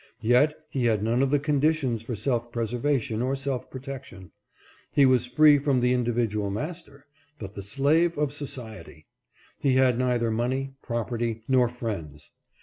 Yet he had none of the conditions for self preservation or self protection. He was free from the individual master, but the slave of society. He had neither money, property, nor friends.